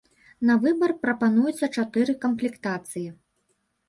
На выбар прапануецца чатыры камплектацыі.